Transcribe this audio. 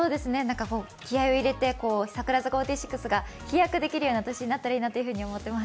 気合いを入れて櫻坂４６が飛躍できるような年になったらいいなと思っています。